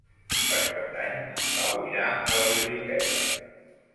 Per Cap d'Any en Pau irà a la biblioteca.